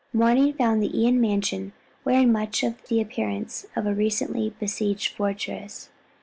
Morning found the Ion mansion wearing much the appearance of a recently besieged fortress.